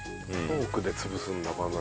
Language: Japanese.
フォークで潰すんだバナナ。